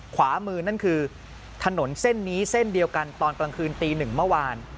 ขวามือนั่นคือถนนเส้นนี้เส้นเดียวกันตอนกลางคืนตีหนึ่งเมื่อวาน